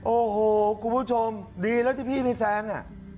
โอ้โหคุณผู้ชมดีแล้วที่พี่ไม่แซง